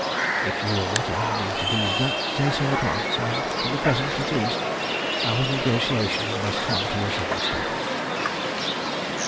If you will not allow me to do that say so at once, and, for the present at least, our negotiations must come to a sudden stop."